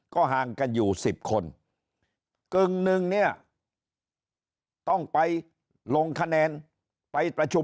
ก็ห่างกันอยู่๑๐คนกึ่งหนึ่งเนี่ยต้องไปลงคะแนนไปประชุม